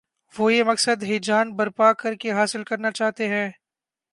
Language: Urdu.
وہ یہ مقصد ہیجان برپا کر کے حاصل کرنا چاہتے ہیں۔